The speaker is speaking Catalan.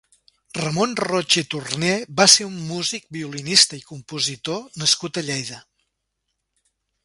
Ramon Roig i Torné va ser un músic, violinista i compositor nascut a Lleida.